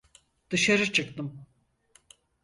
Dışarı çıktım.